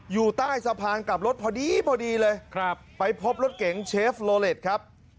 อยู่ใต้สะพานกลับรถพอดีพอดีเลยครับไปพบรถเก๋งเชฟโลเล็ตครับ